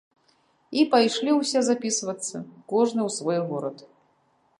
І пайшлі ўсе запісвацца, кожны ў свой горад.